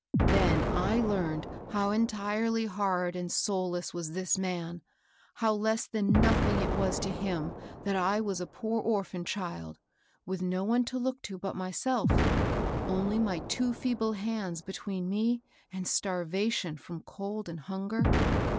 Then I learned how entirely hard and soul less was this man, — how less than nothing it was to him that I was a poor orphan child, with no one to look to but myself, — only my two feeble hands between me and starvation from cold and himger.